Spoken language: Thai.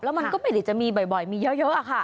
แล้วมันก็ไม่ได้จะมีบ่อยมีเยอะค่ะ